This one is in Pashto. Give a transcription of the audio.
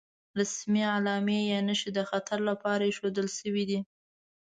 رسمي علامې یا نښې د خطر لپاره ايښودل شوې دي.